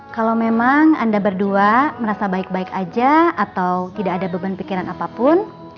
kalau memang anda berdua merasa baik baik aja atau tidak ada beban pikiran apapun